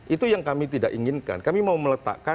itu yang kami tidak inginkan kami mau meletakkan